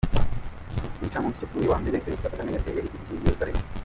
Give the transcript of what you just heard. Ku Gicamunsi cyo kuri uyu wa mbere, Perezida Kagame yateye igiti i Yeruzalemu.